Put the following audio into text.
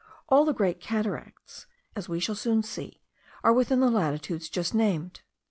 All the great cataracts, as we shall soon see, are within the latitudes just named.